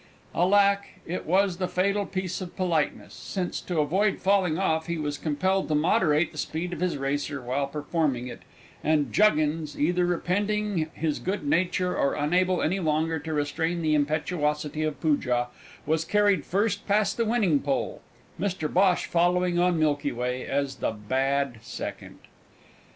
Alack! it was the fatal piece of politeness; since, to avoid falling off, he was compelled to moderate the speed of his racer while performing it, and Juggins, either repenting his good nature, or unable any longer to restrain the impetuosity of Poojah, was carried first past the winning pole, Mr Bhosh following on Milky Way as the bad second!